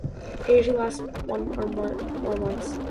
It usually lasts one or more months.